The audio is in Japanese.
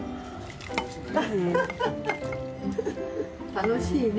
楽しいね。